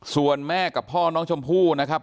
ส่วนแม่กับพ่อน้องชมพู่นะครับ